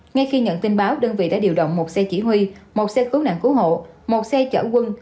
ngay khi nhận tin báo đơn vị đã điều động một xe chỉ huy một xe cứu nạn cứu hộ một xe chở quân